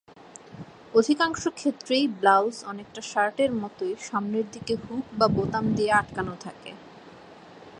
অধিকাংশ ক্ষেত্রেই ব্লাউজ অনেকটা শার্টের মতোই সামনের দিকে হুক বা বোতাম দিয়ে আটকানো থাকে।